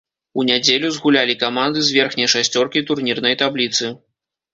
У нядзелю згулялі каманды з верхняй шасцёркі турнірнай табліцы.